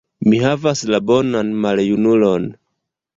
Mi havas la «bonan maljunulon».